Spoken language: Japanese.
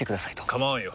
構わんよ。